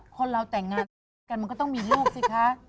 คนเราแต่งงานมันก็ต้องมีลูกสิคะ